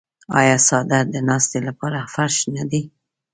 آیا څادر د ناستې لپاره فرش نه دی؟